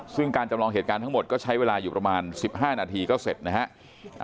ซึ่งการจำลองเหตุการณ์ทั้งหมดก็ใช้เวลาอยู่ประมาณ๑๕นาทีก็เสร็จนะครับ